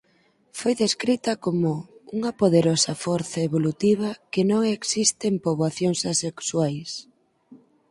Foi descrita como "unha poderosa forza evolutiva que non existe nas poboacións asexuais.